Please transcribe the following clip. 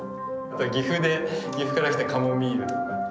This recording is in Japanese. あと岐阜から来たカモミールとか。